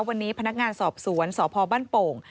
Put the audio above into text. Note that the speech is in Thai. วันนี้พนักงานสอบสวนสพบ้านโป่ง